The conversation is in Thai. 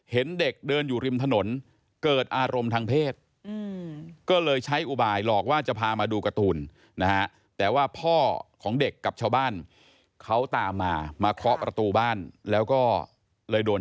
เห็นเด็กเดินอยู่ริมถนนกลอดอารมณ์ทางเพศ